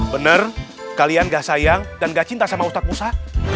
benar kalian enggak sayang dan enggak cinta sama ustadz mursa